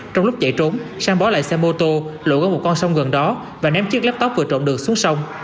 trong lúc chạy trốn sang bó lại xe mô tô lộ ra một con sông gần đó và ném chiếc laptop vừa trộn được xuống sông